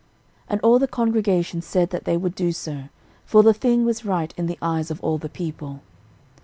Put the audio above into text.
13:013:004 And all the congregation said that they would do so: for the thing was right in the eyes of all the people.